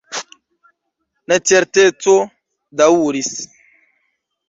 Necerteco daŭris.